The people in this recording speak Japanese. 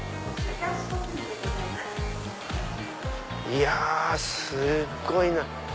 いやすごいな。